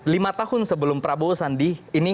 lima tahun sebelum prabowo sandi ini